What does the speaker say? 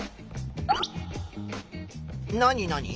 何何？